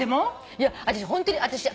いや私ホントに私。